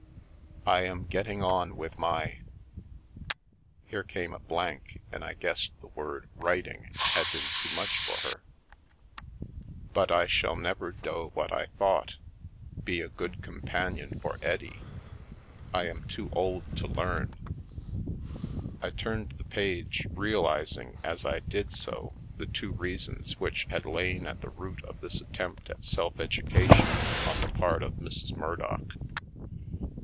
" i am getting on with my " here came a blank, and I guessed the word " writing " had been too much for her —" but i shall never doe wat i thot be a good companen for eddie i am to old to lern." I turned the page, realising as I did so the two reasons which had lain at the root of this attempt at self educa tion on the part of Mrs. Murdock.